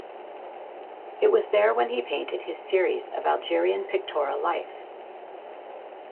It was there where he painted his series of Algerian pictorial life.